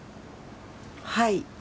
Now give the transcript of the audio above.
はい？